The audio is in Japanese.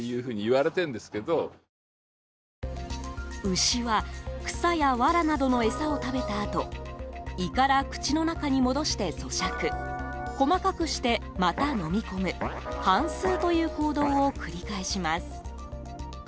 牛は草やわらなどの餌を食べたあと胃から口の中に戻して咀嚼細かくして、また飲み込む反芻という行動を繰り返します。